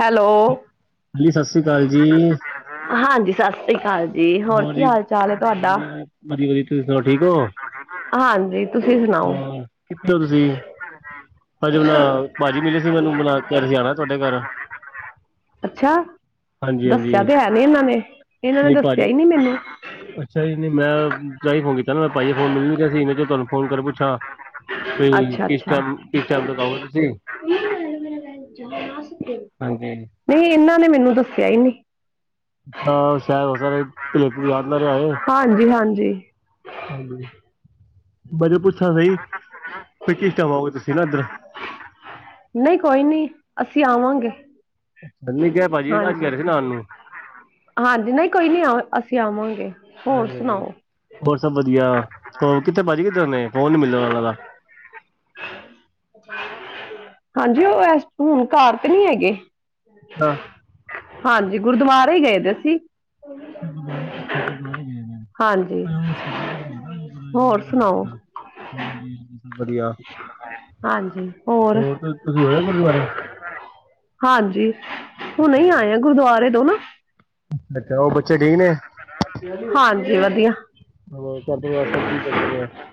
Hello? ਹਾਂਜੀ ਸਤਿ ਸ਼੍ਰੀ ਅਕਾਲ ਜੀ। ਹਾਂਜੀ ਸਤਿ ਸ੍ਰੀ ਅਕਾਲ ਜੀ ਹੋਰ ਕੀ ਜੀ ਹਾਲ- ਚਾਲ ਹੈ ਤੁਹਾਡਾ? ਵਧੀਆ ਵਧੀਆ ਵਧੀਆ- ਵਧੀਆ। ਤੁਸੀਂ ਸੁਣਾਓ ਠੀਕ ਹੋ ਹਾਂਜੀ ਤੁਸੀਂ ਸੁਣਾਓ? ਕਿੱਥੇ ਹੋ ਤੁਸੀਂ? ਹਜੇ ਪਣਾ ਭਾਜੀ ਮਿਲੇ ਸੀ ਮੈਨੂੰ, ਅਪਣਾ ਕੇ ਰਹੇ ਸੀ ਆਣਾ ਏ ਤੁਹਾਡੇ ਘਰ? ਅੱਛਾ ਹਾਂਜੀ ਹਾਂਜੀ ਦੱਸਿਆ ਤੇ ਹੈ ਨੀ ਇਹਨਾਂ ਨੇ, ਇਹਨਾਂ ਨੇ ਨਹੀਂ ਦੱਸਿਆ ਭਾਜੀ ਹੀ ਨੀ ਮੈਨੂੰ। ਅੱਛਾ ਜੀ ਨਹੀਂ ਮੈਂ ਤਾਂ ਹੀ ਫੋਨ ਕੀਤਾ ਨਾ ਮੈਂ ਭਾਜੀ ਫੋਨ ਮਿਲ ਨੀ ਰਿਹਾ ਸੀ ਮੈਂ ਤੁਹਾਨੂੰ ਫੋਨ ਕਰ ਪੁੱਛਾਂ। ਬਈ ਅੱਛਾ ਕਿਸ ਅੱਛਾ ਟਾਈਮ ਕਿਸ ਟਾਈਮ ਤਕ ਆਓਗੇ ਤੁਸੀਂ? ਹਾਂਜੀ ਨਹੀਂ ਇਹਨਾਂ ਨੇ ਮੈਨੂੰ ਦੱਸਿਆ ਈ ਨੀ। ਅੱਛਾ ਸ਼ਾਇਦ ਹੋ ਸਕੇ ਯਾਦ ਨਾ ਰਿਹਾ ਹੋਏ। ਹਾਂਜੀ- ਹਾਂਜੀ। ਹਾਂਜੀ ਮੈਨੂੰ ਪੁੱਛਣਾ ਸੀ ਕਿ ਕਿਸ ਟਾਈਮ ਆਗੇ ਤੁਸੀਂ ਨਾ ਇੱਧਰ? ਨਹੀਂ ਕੋਈ ਨੀ ਅਸੀਂ ਆਵਾਂਗੇ। ਕਲ ਨੀ ਕਿਹਾ ਭਾਜੀ ਅੱਜ ਕਹਿ ਹਾਂਜੀ ਰਹੇ ਸੀ ਨਾਨ ਨੂੰ। ਹਾਂਜੀ ਨਹੀਂ ਕੋਈ ਨੀ ਅਸੀਂ ਆਵਾਂਗੇ ਹੋਰ ਹਾਂਜੀ ਹਾਂਜੀ ਸੁਣਾਓ। ਹੋਰ ਸਭ ਵਧੀਆ ਕਿੱਥੇ ਭਾਜੀ ਕਿੱਧਰ ਨੇ ਫੋਣ ਨੀ ਮਿਲਦਾ ਉਹਨਾਂ ਦਾ। ਹਾਂਜੀ ਉਹ ਐ ਹੁਣ ਘਰ ਤੇ ਨਹੀਂ ਹੈਗੇ। ਹਾਂ। [unintelligible] ਹਾਂਜੀ ਗੁਰਦੁਆਰੇ ਗਏ ਦੇ ਸੀ। ਗੁਰਦੁਆਰੇ ਗੁਰਦੁਆਰੇ ਗਏ ਹਾਂਜੀ ਨੇ ਉਹ ਸ਼ਹੀਦੀ ਗੁਰੂ ਹੈ ਨਾ ਗੁਰੂ ਅਰਜਨ ਦੇਵ ਹੋਰ ਮਹਾਰਾਜ ਜੀ ਸੁਣਾਓ ਦਾ। ਹਾਂਜੀ- ਹਾਂਜੀ ਸਬ ਵਧੀਆ। ਹਾਂਜੀ ਹੋਰ। ਤੁਸੀਂ ਹੋਏ ਗੁਰਦੁਆਰੇ। ਹਾਂਜੀ ਅੱਛਾ ਹੁਣੇ ਅੱਛਾ ਆਏ ਆ ਗੁਰਦੁਆਰੇ ਤੋ ਨਾ। ਅੱਛਾ ਉਹ ਬੱਚੇ ਠੀਕ ਨੇ। ਹਾਂਜੀ ਵਧੀਆ। [unintelligible]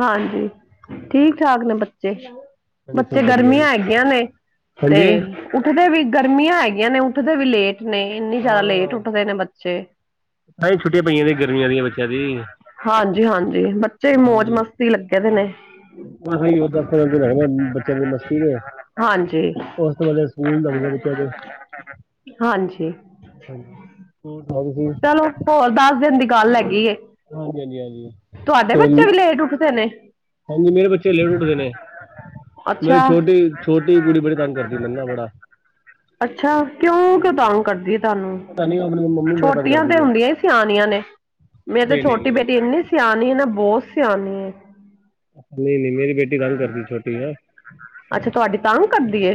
ਹਾਂਜੀ ਠੀਕ ਠਾਕ ਨੇ ਬੱਚੇ। ਹਾਂਜੀ ਬੱਚੇ ਸਭ ਵਧੀਆ ਜੀ ਗਰਮੀਆਂ ਹੈਗੀਆਂ ਨੇ ਤੇ। ਹਾਂਜੀ ਉੱਠਦੇ ਵੀ ਗਰਮੀਆਂ ਹੈਗੀਆਂ ਨੇ ਉੱਠਦੇ ਵੀ ਲੇਟ ਨੇ ਇੰਨੀ ਜ਼ਿਆਦਾ ਲੇਟ ਹਾਂ। ਉੱਠਦੇ ਨੇ ਬੱਚੇ। ਤਾਂਹੀ ਛੁੱਟੀਆਂ ਪਈਆਂ ਨੇ ਗਰਮੀਆਂ ਦੀਆਂ ਬੱਚਿਆਂ ਦੀ ਹਾਂਜੀ-ਹਾਂਜੀ ਬੱਚੇ ਮੌਜ ਮਸਤੀ। ਲੱਗੇ ਦੇ ਨੇ। ਏਹੀ ਦੱਸ ਪੰਦਰਾਂ ਦਿਨ ਹੈਗੇ ਨੇ ਬੱਚਿਆਂ ਦੀ ਮਸਤੀ ਦੇ। ਹਾਂਜੀ। ਉਸ ਤੋਂ ਬਾਦ ਸਕੂਲ ਲਗਨੇ ਬੱਚਿਆ ਦੇ। ਹਾਂਜੀ। ਹਾਂਜੀ ਹੋਰ ਸੁਣਾਓ ਜੀ। ਚਲੋ ਹੋਰ ਦਸ ਦਿਨ ਦੀ ਗੱਲ ਹੈਗੀ ਏ ਹਾਂਜੀ ਹਾਂਜੀ ਹਾਂਜੀ ਤੁਹਾਡੇ ਤੇ ਬੱਚੇ ਵੀ ਲੇਟ ਉੱਠਦੇ ਨੇ। ਹਾਂਜੀ ਮੇਰੇ ਬੱਚੇ ਲੇਟ ਉੱਠਦੇ ਨੇ। ਮੇਰੀ ਅੱਛਾ ਛੋਟੀ-ਛੋਟੀ ਕੁੜੀ ਬੜੀ ਤੰਗ ਕਰਦੀ ਮੰਨ ਨਾ ਬੜਾ। ਅੱਛਾ ਕਿਉਂ-ਕਿਉਂ ਹਾਂਜੀ ਤਾਂਗ ਕਰਦੀ ਹੈ ਤੁਹਾਨੂੰ। [unintelligible] ਛੋਟੀਆਂ ਤੇ ਕਰਦੀ ਹੈ ਹੁੰਦੀਆਂ ਹੀ ਸਿਆਣੀਆਂ ਨੇ ਮੇਰੀ ਤੇ ਨਹੀਂ ਨਹੀਂ ਛੋਟੀ ਨਹੀਂ ਬੇਟੀ। ਇੰਨੀ ਸਿਆਣੀ ਹੈ ਨਾ ਬਹੁਤ ਸਿਆਣੀ ਏ। ਨਹੀਂ-ਨਹੀਂ ਮੇਰੀ ਬੇਟੀ ਤਾਂਗ ਕਰਦੀ ਏ ਛੋਟੀ ਨਾ। ਅੱਛਾ ਤੁਹਾਡੀ ਤਾਂਗ ਕਰਦੀ ਏ।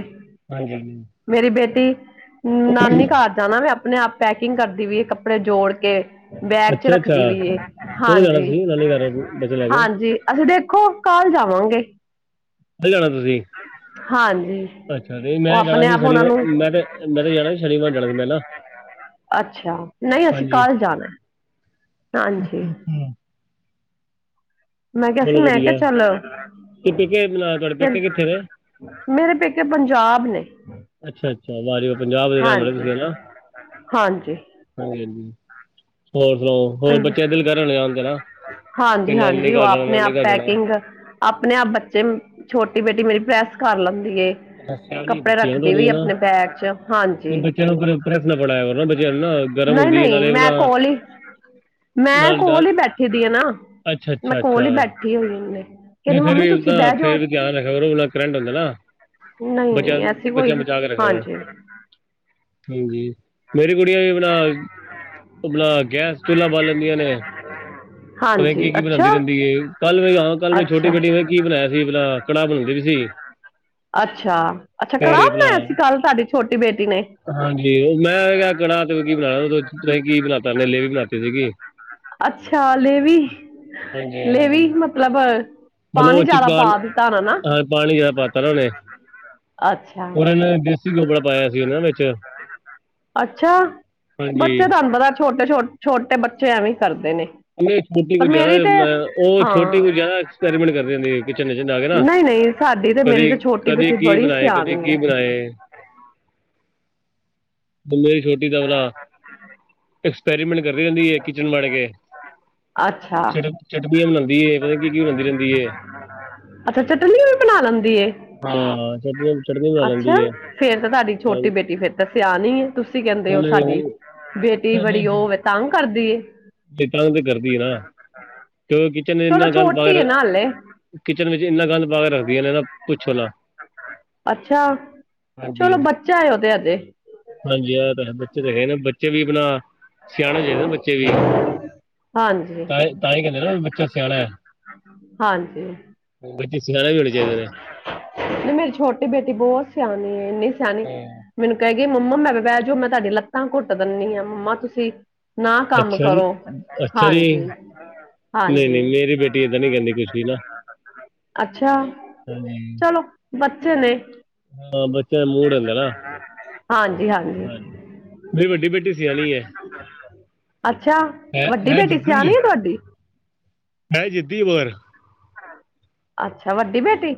ਹਾਂਜੀ-ਹਾਂਜੀ। ਮੇਰੀ ਬੇਟੀ ਨਾਨੀ ਘਰ ਜਾਣਾ ਨਾ ਆਪਣੇ ਆਪ ਪੈਕ। ਪੈਕਿਗ ਕਰਦੀ ਪਈ ਏ ਕੱਪੜੇ ਜੋੜ ਕੇ। ਬੈਗ ਚ ਅੱਛਾ ਅੱਛਾ ਰੱਖਦੀ ਪਈ ਏ ਕਦੋਂ ਜਾਣਾ ਤੁਸੀਂ ਨਾਨੀ ਘਰ ਬੱਚੇ ਲੈ ਕੇ ਹਾਂਜੀ-ਹਾਂਜੀ। ਅਸੀਂ ਦੇਖੋ ਕਲ ਜਾਵਾਂਗੇ। ਕੱਲ੍ਹ ਜਾਣਾ ਤੁਸੀਂ। ਹਾਂਜੀ। ਅੱਛਾ ਤੇ ਮੈਂ ਉਹ ਜਾਣਾ ਆਪਣੇ ਸੀ ਆਪ ਉਹਨਾਂ ਸ਼ਨੀਵਾਰ ਨੂੰ ਮੈਂ ਤੇ ਮੈਂ ਤੇ ਜਾਣਾ ਸੀ ਸ਼ਨੀਵਾਰ ਜਾਣਾ ਸੀ ਮੈਂ ਨਾ। ਅੱਛਾ ਨਹੀਂ ਅਸੀਂ ਹਾਂਜੀ ਕਲ ਜਾਣਾ ਹਾਂਜੀ। ਮੈਂ ਕਿਹਾ ਸੀ ਚਲੋ ਮੈਂ ਕਿਹਾ ਵਧੀਆ ਚੱਲ। ਤੇ ਪੇਕੇ ਤੁਹਾਡੇ ਪੇਕੇ ਕਿੱਥੇ ਨੇ ਮੇਰੇ ਪੇਕੇ ਪੰਜਾਬ ਨੇ। ਅੱਛਾ-ਅੱਛਾ ਵਾ ਜੀ ਪੰਜਾਬ ਦੇ ਰਹਿਣ ਵਾਲੇ ਹਾਂਜੀ ਤੁਸੀਂ ਨਾ। ਹਾਂਜੀ ਹਾਂਜੀ-ਹਾਂਜੀ ਹੋਰ ਸੁਣਾਓ ਹੋਰ ਹਾਂਜੀ ਬੱਚੇ ਦਿਲ ਕਰਨ ਜਾਣ ਦੇ ਨਾ ਵੀ ਹਾਂਜੀ ਨਾਨੀ ਹਾਂਜੀ ਉਹ ਘਰ ਜਾਣਾ ਆਪਣੇ ਨਾਨੀ ਆਪ ਘਰ ਜਾਣਾ ਪੈਕਿੰਗ ਆਪਣੇ ਆਪ ਬੱਚੇ ਨੂੰ ਛੋਟੀ ਬੇਟੀ ਮੇਰੀ ਪ੍ਰੈਸ ਕਰ ਲੈਂਦੀ ਏ ਅੱਛਾ ਜੀ ਕੱਪੜੇ ਬੱਚਿਆਂ ਨੂੰ ਰੱਖਦੀ ਵੀ ਨਹੀਂ ਨਾ ਆਪਣੇ ਬੈਗ 'ਚ ਹਾਂਜੀ ਬੱਚਿਆਂ ਨੂੰ ਪ੍ਰੈਸ ਨਾ ਫੜਾਇਆ ਨਾ ਬੱਚਿਆਂ ਨੂੰ ਨਾ ਗਰਮ ਹੁੰਦੀ ਨਹੀਂ-ਨਹੀਂ ਨਾਲੇ ਮੈਂ ਕੋਲ ਨਾਲ ਹੀ ਮੈਂ ਡਰ ਕੋਲ ਹੀ ਬੈਠੀ ਦੀ ਆ ਨਾ ਅੱਛਾ ਮੈਂ ਅੱਛਾ ਅੱਛਾ ਕੋਲ ਹੀ ਬੈਠੀ ਹੋਈ ਹੁੰਦੇ ਨਹੀਂ ਫਿਰ ਵੀ ਓਦਾਂ ਫਿਰ ਧਿਆਨ ਹੈਗਾ ਉ' ਕਰੰਟ ਹੁੰਦਾ ਨਾ ਨਹੀਂ ਬੱਚਿਆਂ ਨਹੀਂ ਐਸੀ ਨੂੰ ਕੋਈ ਬੱਚਿਆਂ ਬਚਾ ਕੇ ਰੱਖ ਲੈਣਾ ਹਾਂਜੀ ਹਾਂਜੀ ਮੇਰੀ ਕੁੜੀਆਂ ਵੀ ਆਪਣਾ-ਆਪਣਾ ਗੈਸ ਚੁੱਲਾ ਬਾਲ ਲੈਂਦੀਆਂ ਨੇ ਪਤਾ ਨਹੀਂ ਹਾਂਜੀ ਕੀ-ਕੀ ਬਣਾਉਦੀ ਅੱਛਾ ਰਹਿੰਦੀ ਏ ਕੱਲ ਵੀ ਆ ਕੱਲ ਛੋਟੀ ਅੱਛਾ ਬੇਟੀ ਨੇ ਕੀ ਬਣਾਇਆ ਸੀ ਆਪਣਾ ਕੜਾਹ ਬਣਾਉਣ ਦੀ ਵੀ ਸੀ। ਅੱਛਾ-ਅੱਛਾ ਕੜਾਹ ਤੇ ਬਣਾਇਆ ਆਪਣਾ ਸੀ ਕੱਲ ਤੁਹਾਡੀ ਛੋਟੀ ਬੇਟੀ ਨੇ ਹਾਂਜੀ ਮੈਂ ਕਿਆ ਕੜਾਹ ਜੋਗੀ ਬਣਾ ਲਓ ਤੁਸੀਂ ਕੀ ਬਣਾਤਾ ਮੇਰੇ ਲਈ ਵੀ ਬਣਾਤੀ ਸੀਗੀ ਅੱਛਾ। ਹਾਲੇ ਵੀ ਹਾਂਜੀ-ਹਾਂਜੀ ਲੇਵੀ ਮਤਲਬ ਮਤਲਬ ਪਾਣੀ ਉੱਚ ਜ਼ਿਆਦਾ ਕੱਲ ਪਾ ਦਿੱਤਾ ਹੋਣਾ ਨਾ ਪਾਣੀ ਜਿਆਦਾ ਪਾ ਤਾ ਉਹਨੇ ਅੱਛਾ। ਉਹਨਾਂ ਨੇ ਡਿਸਟਰਿਕਟ ਕੱਪੜਾ ਪਾਇਆ ਸੀ ਵਿੱਚ ਅੱਛਾ ਹਾਂਜੀ ਬੱਚੇ ਤੁਹਾਨੂੰ ਪਤਾ ਛੋਟੇ ਛੋ ਛੋਟੇ ਬੱਚੇ ਐਵੇਂ ਕਰਦੇ ਨੇ ਕਿਉਂਕਿ ਛੋਟੀ ਪਰ ਕੁਛ ਮੇਰੀ ਤੇ ਜ਼ਿਆਦਾ ਉਹ ਛੋਟੀ ਹਾਂ ਕੁਛ ਜਿਆਦਾ ਐਕਸਪੈਰੀਮੈਂਟ ਕਰਦੇ ਕਿਚਨ ਚ ਜਾ ਕੇ ਨਾ ਨਹੀਂ ਨਹੀਂ ਸਾਡੀ ਤੇ ਮੇਰੀ ਤੇ ਛੋਟੀ ਕਦੀ ਬੇਟੀ ਕੀ ਬੜੀ ਬਣਾਏ-ਕਦੀ ਸਿਆਣੀ ਏ ਕੀ ਬਣਾਏ ਅੱਗੇ ਛੋਟ ਹਾਂ [unintelligible] ਐਕਸਪੈਰੀਮੈਂਟ ਕਰ ਰਹੀ ਨਹੀਂ ਕਿਚਨ ਵੜ ਕੇ ਅੱਛਾ। ਚਟ ਚਟਨੀਆਂ ਬਣਾਂਦੀ ਏ। ਪਤਾ ਨਹੀਂ ਕੀ ਕੀ ਬਣਾਂਦੀ ਰਹਿੰਦੀ। ਏ। ਅੱਛਾ, ਚਟਨੀ ਵੀ ਬਣਾ ਲੈਂਦੀ ਏ। ਹਾਂ ਛੱਜੇ ਅੱਛਾ, ਫਿਰ ਤਾਂ ਤੁਹਾਡੀ ਛੋਟੀ ਬੇਟੀ ਫਿਰ ਤਾਂ ਸਿਆਣੀ ਹੈ, ਤੁਸੀਂ ਕਹਿੰਦੇ ਹੋ ਸਾਡੀ! ਹਾਂ ਬੇਟੀ ਨਹੀਂ ਬੜੀ ਉਹਵੇ ਤਾਂਗ ਕਰਦੀ ਏ। ਤੇ ਤੰਗ ਕਰਦੀ ਨਾ, ਕਿਉਂ ਕਿਚਨ ਇੰਨਾ ਚਲੋ ਗੰਦ ਪਾ ਛੋਟੀ ਏ ਨਾ ਹਲੇ ਕਿਚਨ ਵਿੱਚ ਇੰਨਾ ਗੰਦ ਪਾ ਕੇ ਰੱਖਦੀ ਹੈ ਨਾ ਪੁੱਛੋ ਨਾ। ਅੱਛਾ, ਹਾਂਜੀ ਚਲੋ ਬੱਚਾ ਹੈ ਉਹ ਤੇ ਹੱਲੇ। ਹਾਂਜੀ ਆ ਤੇ ਹੈ ਬੱਚੇ ਹੈਗੇ ਨੇ ਬੱਚੇ ਵੀ ਆਪਣਾ ਸਿਆਣੇ ਚਾਹੀਦੇ ਨੇ ਬੱਚੇ ਵੀ ਹਾਂਜੀ। ਤਾਂ ਹੀ ਕਹਿੰਦੇ ਨਾ ਵੀ ਬੱਚਾ ਸਿਆਣਾ ਹੈ। ਹਾਂਜੀ। ਉਹ ਬੱਚੇ ਸਿਆਣੇ ਵੀ ਹੋਣੇ ਚਾਹੀਦੇ ਨੇ। ਮੇਰੀ ਛੋਟੀ ਬੇਟੀ ਬਹੁਤ ਸਿਆਣੀ ਹੈ, ਇੰਨੀ ਸਿਆਣੀ ਮੈਨੂੰ ਕਹਿ ਗੀ ਮੰਮਾ ਲੱਗਦਾ ਜੋ ਤੁਹਾਡੀ ਲਤਾ ਘੁੱਟ ਦਿੰਦੀ ਹਾਂ ਮੰਮਾ ਤੁਸੀਂ। ਨਾ ਕੰਮ ਅੱਛਾ ਜੀ ਕਰੋ ਅੱਛਾ ਜੀ ਹਾਂਜੀ, ਹਾਂਜੀ। ਏ ਤਾਂ ਨੀ ਕਹਿੰਦੀ ਕੁਸ਼ਤੀ ਨਾ ਅੱਛਾ, ਹਾਂਜੀ ਚਲੋ ਬੱਚੇ ਨੇ। ਹਾਂ ਬੱਚਿਆਂ ਦਾ ਮੂੜ ਹੂੰਦਾ ਨਾਂ। ਹਾਂਜੀ-ਹਾਂਜੀ। ਹਾਂਜੀ, ਮੇਰੀ ਵੱਡੀ ਬੇਟੀ ਸਿਆਣੀ ਐ। ਅੱਛਾ, ਵੱਡੀ ਹੈ ਬੇਟੀ ਜਿੱਦੀ ਹੈ ਸਿਆਣੀ ਆ ਤੁਹਾਡੀ? ਹੈ ਜਿੱਦੀ ਪਰ। ਅੱਛਾ, ਵੱਡੀ ਬੇਟੀ?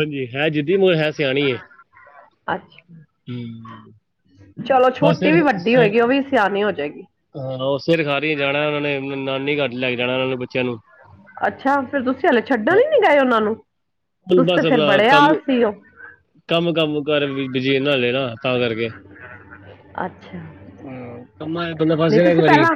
ਹਾਂਜੀ, ਹੈ ਜਿੱਦੀ [unintelligible] ਹੈ ਸਿਆਣੀ ਏ। ਅੱਛਾ। ਹੂੰ। ਚਲੋ ਨਾ ਛੋਟੀ ਵੀ ਸਿਰ ਵੱਡੀ ਸਿਰ ਹੋਏਗੀ, ਓ ਵੀ ਸਿਆਣੀ ਹੋਜੇਗੀ। ਹਾਂ, ਓ ਸਿਰ ਖਾਰੀ ਜਾਣਾ ਓਨਾਂ ਨੇ ਨਾਨੀ ਘਰ ਲੈ ਕੇ ਜਾਣਾ ਓਨਾਂ ਨੂੰ ਬੱਚਿਆਂ ਨੂੰ। ਅੱਛਾ, ਫਿਰ ਤੁਸੀਂ ਹਲੇ ਹਾਂ, ਛੱਡਣ ਈ ਨੀ ਗਏ ਉਨਾਂ ਨੂੰ, ਹੁਣ ਤੁਸੀਂ ਤੇ ਫੇਰ ਬੜੇ ਆਲਸੀ ਓ। ਕੰਮ-ਕੰਮ ਕਾਰਾ ਬੀਜੀ ਬਣਾਲੇ ਨਾਂ ਤਾਂ ਕਰਕੇ। ਅੱਛਾ, ਹਾਂ, ਕੰਮਾਂ 'ਚ ਬੰਦਾ ਫਸ ਨਈ ਜਾਣਾ ਇੱਕ ਤੁਸੀਂ ਵਾਰੀ ਪੈਲਾਂ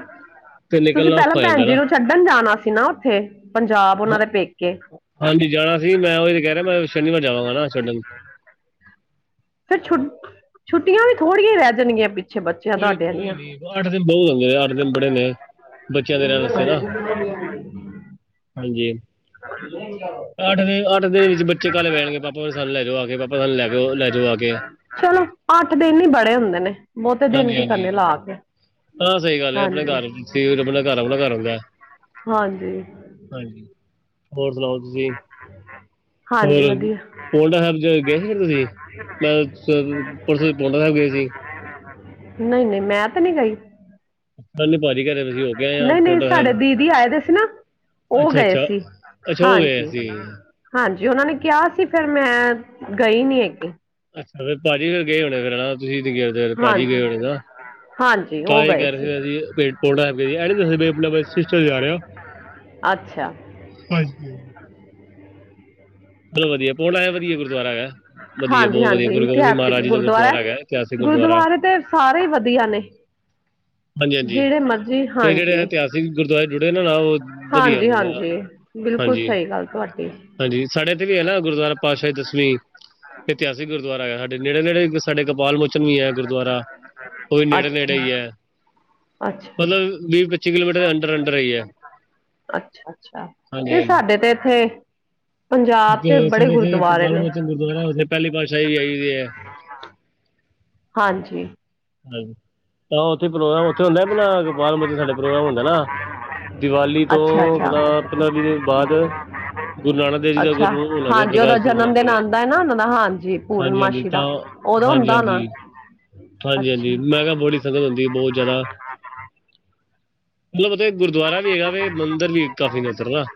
ਤੇ ਤੁਸੀਂ ਨਿਕਲਣਾ ਪੈ ਲਲਾਂ ਔਖਾ ਹੋ ਭੈਣ ਜਾਂਦਾ ਜੀ ਨਾ ਨੂੰ ਛੱਡਣ ਜਾਣਾ ਸੀ ਨਾ ਉੱਥੇ ਪੰਜਾਬ ਉਨਾਂ ਹਾਂ- ਦੇ ਪੇਕੇ। ਹਾਂਜੀ, ਜਾਣਾ ਸੀ, ਮੈਂ ਓਹੀ ਤੇ ਕੈ ਰਿਆ ਮੈਂ ਸ਼ਨੀਵਾਰ ਜਾਵਾਂਗਾ ਨਾ ਛੱਡਣ। ਫੇਰ ਛੁ ਛੁੱਟੀਆਂ ਵੀ ਥੋੜੀਆਂ ਈ ਰੈ ਜਾਣਗੀਆਂ ਪਿੱ ਕੋਈ-ਕੋਈ ਨੀ ਅੱਠ ਦਿਨ ਬੋਤ ਹੁੰਦੇ ਨੇ ਅੱਠ ਦਿਨ ਬੜੇ ਨੇ। ਬੱਚਿਆਂ ਦੇ ਰਹਿਣ ਵਾਸਤੇ ਨਾ [inaudible] ਹਾਂਜੀ, ਅੱਠ ਦੇ ਅੱਠ ਦੇ ਵਿੱਚ ਬੱਚੇ ਕਾਲੇ ਪੈਣਗੇ ਪਾ ਪਾ ਸਾਨੂੰ ਲੈਜੂ ਆ ਕੇ ਪਾਪਾ ਸਾਨੂੰ ਲੈ ਕੇ ਲੈਜੋ ਆ ਕੇ। ਚਲੋ ਅੱਠ ਦਿਨ ਈ ਬੜੇ ਹੁੰਦੇ ਨੇ ਬੋਤੇ ਦਿਨ ਹਾਂਜੀ ਕੀ ਕਰਨੇ ਹਾਂਜੀ ਲਾ ਕੇ। ਹਾਂ ਸਈ ਗੱਲ ਐ ਆਪਣੇ ਹਾਂਜੀ ਘਰ ਆਪਣਾ ਘਰ ਆਪਣਾ ਘਰ ਹੁੰਦੈ। ਹਾਂਜੀ। ਹਾਂਜੀ ਹੋਰ ਸੁਣਾਓ? ਤੁਸੀਂ [inaudible] ਹਾਂਜੀ ਹੋਰ ਵਧੀਆ ਪੌਂਟਾ ਸੈਬ ਚ ਗਏ ਸੀ ਫੇਰ ਤੁਸੀਂ? [unintelligible] ਪਰਸੋ ਤੁਸੀ ਪੌਂਟਾ ਸੈਬ ਗਏ ਸੀ। ਨਈ-ਨਈ ਮੈਂ ਤੇ ਨੀ ਗਈ। ਕੱਲ੍ਹ ਭਾਜੀ ਘਰੇ ਅਸੀਂ ਹੋ ਗਏ ਆ ਨਈ-ਨਈ ਪੌਂਡਾ ਸਾਡੇ ਸਾਹਿਬ ਦੀਦੀ ਆਏ ਦੇ ਸੀ ਨਾ ਓ ਗਏ ਸੀ, ਹਾਂਜੀ। ਜੀ। ਹਾਂਜੀ ਔਨਾਂ ਨੇ ਕਿਆ ਸੀ ਫੇਰ ਮੈਂ ਗਈ ਨੀ ਐਗੀ। ਅੱਛਾ, ਤੇ ਭਾਜੀ ਫੇਰ ਗਏ ਹੋਨੇ ਫੇਰ ਤੁਸੀਂ [unintelligible] ਭਾਜੀ ਗਏ ਹਾਂਜੀ ਹੋਨੇ ਨਾ। ਹਾਂਜੀ ਤਾਂ ਉਹ ਏ ਗਏ ਕੈ ਰੇ ਸੀ ਅਸੀ ਪੇਟ ਫੋੜਾ ਪੇਟ ਐ ਨੀ ਦੱਸਿਆ ਆਪਨਾ ਸਿਸਟਰ ਜਾ ਰਿਆ। ਅੱਛਾ। ਹਾਂਜੀ। ਚਲੋ ਵਧੀਆ ਕੋਲ ਆਇਆ ਵਧੀਆ ਗੁਰਦੁਆਰਾ ਐਗਾ ਵਧੀਆ ਹਾਂਜੀ ਬੋਤ ਵਧੀਆ ਹਾਂਜੀ ਗੁਰ ਗੋਬਿੰਦ ਸਿੰਘ ਇਤਿਹਾਸਿਕ ਮਹਾਰਾਜ ਜੀ ਦਾ ਗੁਰ ਗੁਰਦੁਆਰਾ ਹੈ। ਦੁਆਰਾ ਐਗਾ। ਗੁਰਦੁਆਰੇ ਤੇ ਸਾਰੇ ਈ ਵਧੀਆ ਨੇ। ਹਾਂਜੀ ਹਾਂਜੀ ਜੇੜੇ ਮਰਜੀ ਤੇ ਜਿਹੜੇ ਇਤਿਹਾਸਿਕ ਗੁਰਦੁਆਰੇ ਜੁੜੇ ਨੇ ਨਾ ਉਹ ਵਧੀਆ ਮਤਲਬ ਹਾਂਜੀ-ਹਾਂਜੀ-ਹਾਂਜੀ। ਬਿਲਕੁੱਲ ਹਾਂਜੀ ਸਾਈ ਗੱਲ ਤੁਹਾਡੀ। ਹਾਂਜੀ ਸਾਡੇ ਏਥੇ ਵੀ ਐ ਨਾ ਗੁਰਦੁਆਰਾ ਪਾਤਸ਼ਾਹਈ ਦਸਵੀਂ ਏਤਿਹਾਸਿਕ ਗੁਰ ਦੁਆਰਾ ਹੈ ਸਾਡੇ ਨੇੜੇ-ਨੇੜੇ ਸਾਡੇ ਕਪਾਲ ਮੋਚਨ ਵੀ ਐ ਗੁਰਦੁਆਰਾ ਔ ਵੀ ਨੇੜੇ-ਨੇੜੇ ਅੱਛਾ ਈ ਐ। ਅੱਛਾ ਮਤਲਬ ਵੀਹ ਪੱਚੀ ਕਿਲੋਮੀਟਰ ਦੇ ਅੰਡਰ-ਅੰਡਰ ਈ ਐ। ਅੱਛਾ-ਅੱਛਾ ਤੇ ਸਾਡੇ ਤੇ ਏਥੇ ਪੰਜਾਬ ਤੇ ਬੜੇ ਗੁਰਦੁਆਰੇ ਨੇ। ਔਹ ਨਾ ਔਥੇ ਪਹਿਲੀ ਪਾਤਸ਼ਾਹੀ ਵੀ ਆਈ ਹੋਈ ਐ। ਹਾਂਜੀ। ਹਾਂਜ ਤਾ ਔਥੇ ਪ੍ਰੋਗਰਾਮ ਔਥੇ ਹੁੰਦਾ ਅਪਨਾ ਗੋਪਾਲ ਮੋਚਨ ਸਾਡੇ ਪ੍ਰੋਗਰਾਮ ਹੁੰਦਾ ਨਾ, ਦੀਵਾਲੀ ਤੋਂ ਅੱਛਾ ਅਪਨਾ ਅੱਛਾ ਪੰਦਰਾਂ-ਵੀ ਦਿਨ ਬਾਅਦ ਗੁਰੂ ਨਾਨਕ ਦੇਵ ਜੀ ਦਾ ਅੱਛਾ ਗੁਰੂ ਉਹਨਾਂ ਦੇ ਹਾਂਜੀ ਔਦਾ ਪ੍ਰਕਾਸ਼ ਪੁਰਬ ਜਨਮ ਮਨਾਉਂਦੇ ਦਿਨ ਨੇ ਆਂਦਾ ਐ ਨਾ ਹਾਂਜੀ ਹਾਂਜੀ-ਹਾਂਜੀ ਪੂਰਨਮਾਸੀ ਦਾ ਔਦੌ ਹੋਂਦਾ ਹੋਨਾ? ਹਾਂਜੀ, ਹਾਂਜੀ ਮੈਂ ਕਿਆ ਬੜੀ ਸੰਗਤ ਹੁੰਦੀ ਏ ਬੋਹਤ ਜਾਦਾ ਮਤਲਬ ਔਥੇ ਗੁਰਦੁਆਰਾ ਵੀ ਹੈਗਾ ਵੇ, ਮੰਦਿਰ ਵੀ ਕਾਫੀ ਨੇ ਔਧਰ ਨਾ।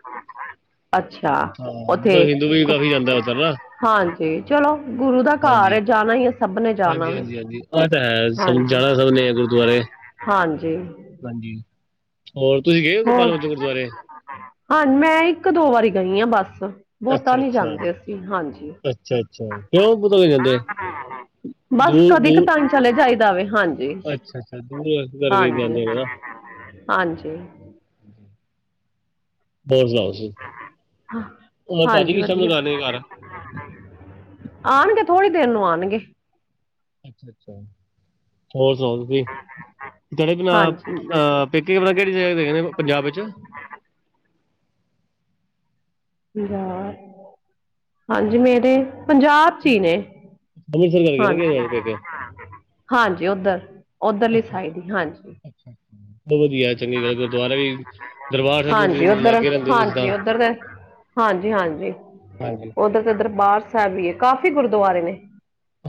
ਅੱਛਾ, ਹਾਂ ਔਥੇ ਮਤਲਬ ਹਿੰਦੂ ਵੀ ਖੁ ਕਾਫ਼ੀ ਜਾਂਦਾ ਉੱਧਰ ਨਾ ਹਾਂਜੀ, ਚਲੋ ਗੁਰੂ ਦਾ ਘਰ ਹਾਂਜੀ। ਐ ਜਾਨਾ ਹੀ ਐ ਸਭ ਨੇ ਜਾਨਾ ਵੇ। ਓਹ ਤਾ ਹੈ, ਹਾਂਜੀ ਜਾਨਾ ਸਭ ਨੇ ਗੁਰਦੁਆਰੇ ਐ। ਹਾਂਜੀ ਹਾਂਜੀ, ਔਰ ਤੁਸੀਂ ਗਏ ਔ ਗੋਪਾਲ ਹੋਰ ਮੋਚਨ ਗੁਰਦੁਆਰੇ? ਹਾਂ, ਮੈਂ ਇੱਕ ਦੋ ਵਾਰੀ ਗਈ ਆਂ ਬੱਸ। ਬੋਹਤਾ ਨੀ ਅੱਛਾ-ਅੱਛਾ, ਜਾਂਦੇ ਅਸੀਂ ਹਾਂਜੀ। ਅੱਛਾ-ਅੱਛਾ ਕਿਉਂ ਪਤਾ ਜਾਂਦੇ ਬਸ ਕਦੀ, ਦੂਰ-ਦੂਰ ਕਦਾਈ ਚਲੇ ਜਾਈ ਦਾ ਵੇ, ਹਾਂ ਤੇ ਅੱਛਾ-ਅੱਛਾ ਦੂਰ ਇਸ ਕਰਕੇ ਹਾਂਜੀ, ਜਾਂਦੇ ਨੇ ਨਾ ਹਾਂਜੀ। ਏ ਲਿਆਏ ਜੀ। ਹਾਂਜੀ ਟਾਈਮ ਵਧੀਆ। ਤੱਕ ਆਣੇ ਘਰ ਆਨਗੇ ਥੋੜ੍ਹੀ ਦੇਰ ਨੂੰ ਆਨਗੇ। ਹੋਰ ਸੁਨਾਓ ਤੁਸੀਂ? ਜੇਹੜੇ ਕਿ ਮੈਂ ਹਾਂਜੀ ਅਹ ਪੇਕੇ ਆ ਕੇਹੜੀ ਜਗ੍ਹਾ ਤੇ ਹੇਗੇ ਨੇ ਪੰਜਾਬ ਵਿੱਚ ਸਤਿ ਸ਼੍ਰੀ ਅਕਾਲ, ਹਾਂਜੀ ਮੇਰੇ ਪੰਜਾਬ ਚ ਹੀ ਨੇ। ਅੰਮ੍ਰਿਤਸਰ ਕਰਕੇ ਨੇ ਕਿਹੜੇ ਹਾਂਜੀ, ਤੁਹਾਡੇ ਪੇਕੇ ਹਾਂਜੀ ਔਧਰ। ਔਹ ਵਧੀਆ ਜ [unintelligible] ਦੇ ਹਾਂਜੀ ਔਧਰ, ਲਾਗੇ ਰਹਿੰਦੇ ਤੁਸੀਂ ਤਾਂ ਹਾਂਜੀ ਔਧਰ ਦੇ ਹਾਂਜੀ, ਹਾਂਜੀ ਹਾਂਜੀ ਔਧਰ ਤੇ ਦਰਬਾਰ ਸਾਹਿਬ ਵੀ ਏ, ਕਾਫ਼ੀ ਗੁਰਦੁਆਰੇ ਨੇ।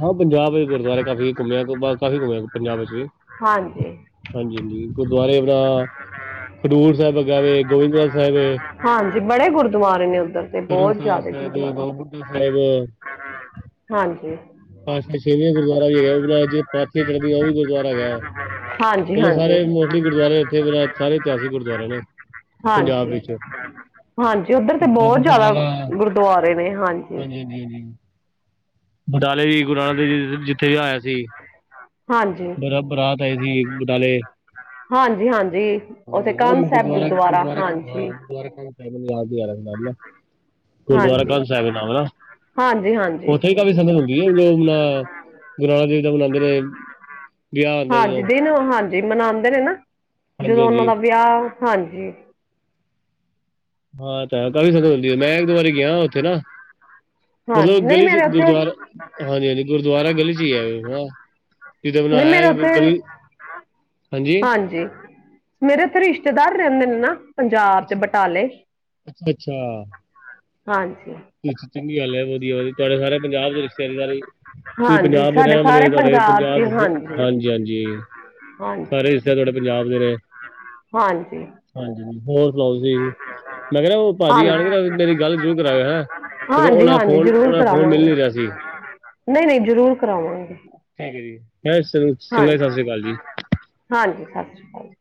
ਹਾਂ ਪੰਜਾਬ ਗੁਰਦੁਆਰੇ ਏ, ਕਾਫ਼ੀ ਘੁੰਮਿਆ ਕਾਫ਼ੀ ਘੁੰਮਿਆ ਪੰਜਾਬ ਵਿੱਚ ਵੀ। ਹਾਂਜੀ ਹਾਂਜੀ, ਹਾਂਜੀ ਗੁਰਦੁਆਰੇ ਅਪਣਾ ਖਡੂਰ ਸਾਹਿਬ ਹੇਗਾ ਵੇ, ਗੋਇੰਦਵਾਲ ਸਾਹਿਬ ਏ। ਹਾਂਜੀ ਬੜੇ ਗੁਰਦੁਆਰੇ ਨੇ ਔਧਰ। ਤਰਨਤਾਰਨ ਸਾਹਿਬ, ਬਾਬਾ ਬੁੱਢਾ ਸਾਹਿਬ ਅ। ਹਾਂਜੀ। ਪਾਤਸ਼ਾਹ ਛੇਵੀਂ ਗੁਰਦੁਆਰਾ ਵੀ ਹੈਗਾ, ਪਾਥੀਆਂ ਚੜ੍ਹਦੀਆਂ ਔਹ ਵੀ ਗੁਰਦੁਆਰਾ ਹੈਗਾ। ਹਾਂਜੀ ਮਤਲਬ ਹਾਂਜੀ ਸਾਰੇ ਮੋਸਟਲੀ ਗੁਰਦੁਆਰੇ ਤੇ ਅਪਣਾ ਸਾਰੇ ਇਤਿਹਾਸਿਕ ਗੁਰਦੁਆਰੇ ਨੇ ਪੰਜਾਬ ਹਾਂਜੀ ਵਿੱਚ। ਹਾਂਜੀ ਔਧੱਰ ਤੇ ਬਾਬਾ ਬੋਹਤ ਜਾਦਾ ਬਕਾਲਾ ਗੁਰਦੁਆਰੇ ਨੇ ਹਾਂਜੀ। ਹਾਂਜੀ, ਹਾਂਜੀ, ਹਾਂਜੀ। ਨਾਲੇ ਵੀ ਗੁਰੂ ਨਾਨਕ ਦੇਵ ਜੀ ਜਿੱਥੇ ਵੀਆਹ ਹੋਇਆ ਸੀ। ਹਾਂਜੀ ਬਰਾ ਬਰਾਤ ਆਈ ਸੀ ਬਟਾਲੇ। ਹਾਂਜੀ ਹਾਂਜੀ ਉੱਥੇ ਹਾਂਜੀ, ਹੁਣ ਕੰਨ ਸਾਹਿਬ ਗੁਰਦੁਆਰੇ, ਗੁਰਦੁਆਰਾ ਗੁਰਦੁਆਰੇ ਹਾਂ ਗੁਰਦਵਾਰੇ ਹਾਂਜੀ ਨਾਲ ਗੁਰਦੁਆਰਾ ਹਾਂਜੀ ਕੰਧ ਸਾਹਿਬ ਨਾਮ ਹਨਾ। ਹਾਂਜੀ, ਹਾਂਜੀ। ਉੱਥੇ ਹੀ ਕਾਫ਼ੀ ਸੰਦ ਹੁੰਦੀ ਹੈ, ਜੋ ਅਪਣਾ ਗੁਰੂ ਨਾਨਕ ਦੇਵ ਦਾ ਮਨਾਉਂਦੇ ਰਹੇ। ਹਾਂਜੀ ਦਿਨ ਹਾਂਜੀ ਮਨਾਉਂਦੇ ਨੇ ਨਾ, ਹਾਂਜੀ ਜਦੋਂ ਉਹਨਾਂ ਹਾਂਜੀ ਦਾ ਵਿਆਹ ਹਾਂਜੀ। ਹਾਂ ਤਾਂ ਕਾਫੀ ਸੰਗਤ ਹੁੰਦੀ ਵੇ, ਮੈਂ ਇੱਕ ਦੋ ਵਾਰੀ ਗਿਆ ਉੱਥੇ ਨਾ। ਹਾਂਜੀ ਮਤਲਬ ਨਹੀਂ ਗਲੀ 'ਚ ਮੇਰੇ ਉੱਥੇ ਗੁਰਦੁਆਰਾ ਹਾਂਜੀ- ਹਾਂਜੀ ਗੁਰਦੁਆਰਾ ਗਲੀ 'ਚ ਈ ਹੈ ਨਾ। ਜਦ ਨਹੀਂ ਮੇਰੇ ਬਣਾਇਆ ਫਿਰ ਉੱਥੇ ਗਲੀ ਹਾਂਜੀ। ਹਾਂਜੀ ਮੇਰੇ ਇੱਥੇ ਰਿਸ਼ਤੇਦਾਰ ਰੈਂਦੇ ਨੇ ਨਾ ਪੰਜਾਬ 'ਚ ਬਟਾਲੇ ਅੱਛਾ ਹਾਂਜੀ ਅ ਚੰਗੀ ਗੱਲ ਐ ਵਧੀਆ ਵੀ ਤੁਹਾਡੇ ਸਾਰੇ ਪੰਜਾਬ ਦੇ ਰਿਸ਼ਤੇਦਾਰੀ ਤੁਸੀ ਹਾਂਜੀ ਪੰਜਾਬ ਦੇ ਸਾਡੇ ਰੈਣ ਵਾਲੇ ਸਾਰੇ ਤੁਹਾਡੇ 'ਚ ਪੰਜਾਬ ਦੇ ਹਾਂਜੀ ਹਾਂਜੀ-ਹਾਂਜੀ ਹਾਂਜੀ ਸਾਰੇ ਰਿਸ਼ਤੇਦਾਰ ਤੁਹਾਡੇ ਪੰਜਾਬ ਦੇ ਰਏ। ਹਾਂਜੀ ਹਾਂਜੀ ਹੋਰ ਸੁਣਾਓ ਤੁਸੀਂ ਜ ਮੈਂ ਕਿਆ ਓ ਭਾਜੀ ਆਣਗੇ ਮੇਰੀ ਗੱਲ ਜ਼ਰੂਰ ਕਰਾਓ ਹੈਂ। ਕਿਉਂਕਿ ਉਹਨਾਂ ਦਾ ਹਾਂਜੀ-ਹਾਂਜੀ ਫੋਨ ਜ਼ਰੂਰ ਉਹਨਾਂ ਦਾ ਫੋਨ ਮਿਲ ਕਰਾਵਾਂਗੇ ਨੀ ਰਿਹਾ ਸੀ ਨਈ-ਨਈ ਜ਼ਰੂਰ ਕਰਾਵਾਂਗੀ। ਠੀਕ ਏ ਜੀ ਚੰਗਾ ਜੀ ਸਤਿ ਸ੍ਰੀ ਅਕਾਲ ਜੀ। ਹਾਂਜੀ ਸਤਿ ਸ਼੍ਰੀ ਅਕਾਲ ਜੀ।